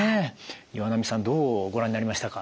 岩波さんどうご覧になりましたか。